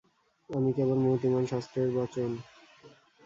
আমি কেবল মূর্তিমান শাস্ত্রের বচন!